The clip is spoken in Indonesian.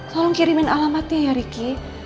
tolong kirimin alamatnya ya riki